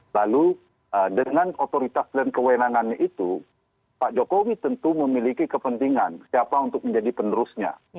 lalu dengan otoritas dan kewenangannya itu pak jokowi tentu memiliki kepentingan siapa untuk menjadi penerusnya